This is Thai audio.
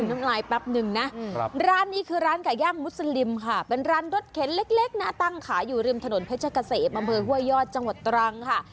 น้ำลายแป๊บนึงนะร้านนี้คือร้านไก่ย่างมุสลิมค่ะเป็นร้านรถเข็นเล็กนะตั้งขายอยู่ริมถนนเพชรเกษมอำเภอห้วยยอดจังหวัดตรังค่ะ